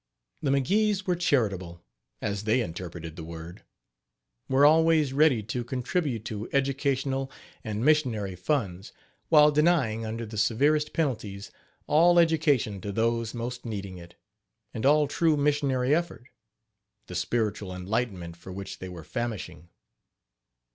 The McGees were charitable as they interpreted the word were always ready to contribute to educational and missionary funds, while denying, under the severest penalties, all education to those most needing it, and all true missionary effort the spiritual enlightenment for which they were famishing.